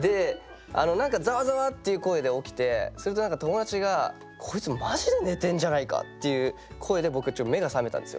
何かざわざわっていう声で起きてそれで何か友達が「こいつマジで寝てんじゃないか？」っていう声で僕目が覚めたんですよ。